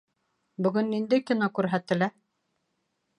Бөгөн ниндәй кино күрһәтелә?